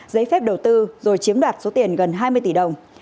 giấy phép đầu tư rồi chiếm đoạt số tiền gần hai mươi tỷ đồng